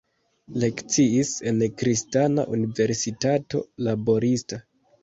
Lekciis en Kristana Universitato Laborista.